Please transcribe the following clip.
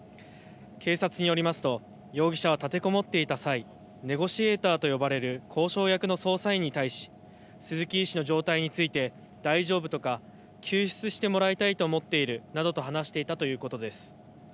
警察によりますと容疑者は立てこもっていた際ネゴシエーターと呼ばれる交渉役の捜査員に対し鈴木医師の状態について大丈夫とか救出してもらいたいと思っているなどと話していたということです。